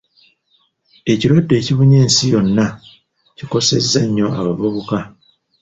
Ekirwadde ekibunye ensi yonna kikosezza nnyo abavubuka.